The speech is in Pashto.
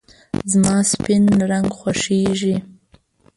زما سپین رنګ خوښېږي .